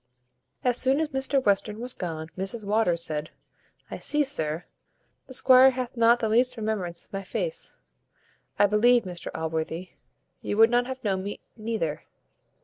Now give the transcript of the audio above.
As soon as Mr Western was gone Mrs Waters said, "I see, sir, the squire hath not the least remembrance of my face. I believe, Mr Allworthy, you would not have known me neither.